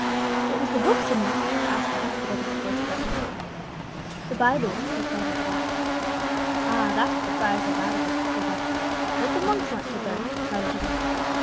"What was the book, señor?" was asked by half a dozen voices at once. "The Bible," replied Alcala. "Ah! that's what the friars are mad against," said one. "What the monks want to burn," muttered another.